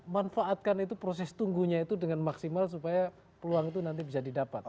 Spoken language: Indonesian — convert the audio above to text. manfaatkan itu proses tunggunya itu dengan maksimal supaya peluang itu nanti bisa didapat